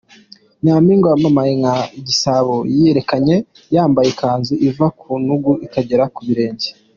Nyampinga wamamaye nka "Igisabo” yiyerekanye yambaye ikanzu iva ku ntugu ikagera ku birenge.